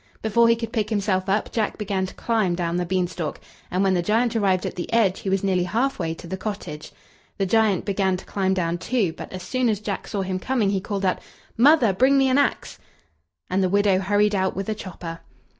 Before he could pick himself up, Jack began to climb down the beanstalk, and when the giant arrived at the edge he was nearly half way to the cottage. The giant began to climb down too; but as soon as Jack saw him coming, he called out: "Mother, bring me an axe!" and the widow hurried out with a chopper.